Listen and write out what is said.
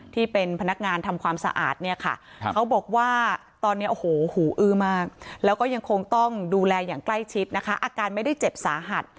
ที่เป็นพนักงานทำความสะอาดเนี่ยค่ะเขาบอกว่าตอนนี้โอ้โหหูอื้อมากแล้วก็ยังคงต้องดูแลอย่างใกล้ชิดนะคะอาการไม่ได้เจ็บสาหัส